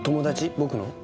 僕の？